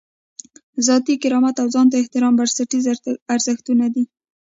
ذاتي کرامت او ځان ته احترام بنسټیز ارزښتونه دي.